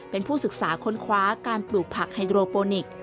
เป็นผู้ศึกษาค้นคว้าการปลูกผักไฮโดรโปนิกส์